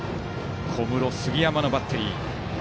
小室、杉山のバッテリー。